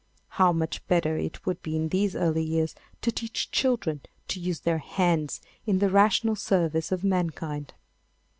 How much better it would be in these early years to teach children to use their hands in the rational service of mankind.